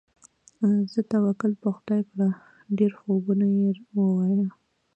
ځه توکل په خدای کړه، ډېر خوبه یې ووایې.